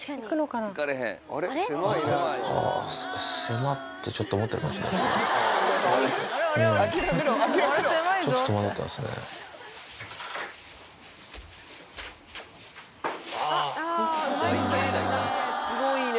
ああ、せまってちょっと思ってるかもしれないですね。